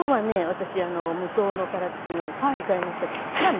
私無頭の殻付きの使いましたけどまあ